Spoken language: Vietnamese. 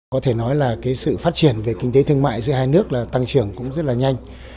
có thể nói là sự phát triển về kinh tế thương mại giữa hai nước tăng trưởng rất nhanh